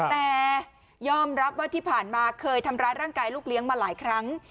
แต่ยอมรับว่าที่ผ่านมาเคยทำร้ายร่างกายลูกเลี้ยงมาหลายครั้ง